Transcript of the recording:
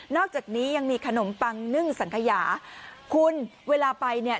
อกจากนี้ยังมีขนมปังนึ่งสังขยาคุณเวลาไปเนี่ย